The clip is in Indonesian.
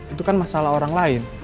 itu kan masalah orang lain